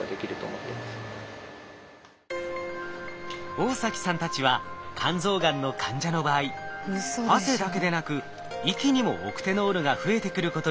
大崎さんたちは肝臓がんの患者の場合汗だけでなく息にもオクテノールが増えてくることに注目。